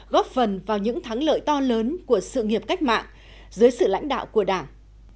góp phần vào những thắng lợi to lớn của sự nghiệp cách mạng dưới sự lãnh đạo của đảng